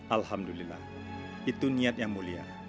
alhamdulillah itu niat yang mulia